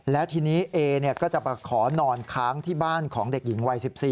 แล้วทีนี้เอก็จะมาขอนอนค้างที่บ้านของเด็กหญิงวัย๑๔